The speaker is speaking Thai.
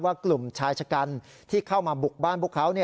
กลุ่มชายชะกันที่เข้ามาบุกบ้านพวกเขา